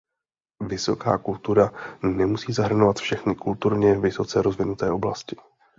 Vysoká kultura nemusí zahrnovat všechny kulturně vysoce rozvinuté oblasti.